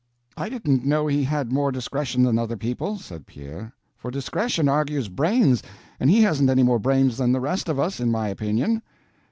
"I didn't know he had more discretion than other people," said Pierre, "for discretion argues brains, and he hasn't any more brains than the rest of us, in my opinion."